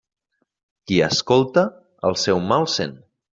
Qui escolta el seu mal sent.